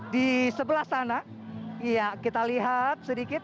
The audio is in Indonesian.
di sebelah sana ya kita lihat sedikit